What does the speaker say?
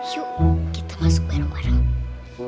yuk kita masuk bareng bareng